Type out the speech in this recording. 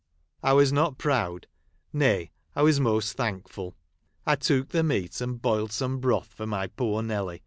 I was not proud ; nay, I was most thankful. I took the meat, and boiled some broth for my poor Nelly.